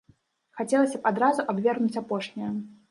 Хацелася б адразу абвергнуць апошняе.